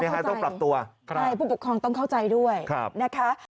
ค่ะก็เข้าใจพวกปกครองต้องเข้าใจด้วยนะครับ